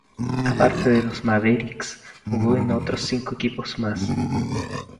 A parte de los Mavericks, jugó en otros cinco equipos más.